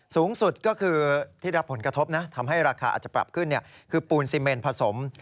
สูงสุดก็คือที่รับผลกระทบนะทำให้ราคาอาจจะปรับขึ้นคือปูนซีเมนผสม